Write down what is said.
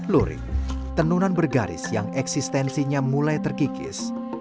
lurik tenunan bergaris yang eksistensinya mulai terkikis